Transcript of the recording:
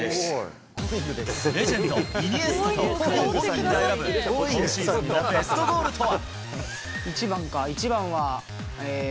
レジェンド、イニエスタと、久保本人が選ぶ今シーズンのベストゴールとは。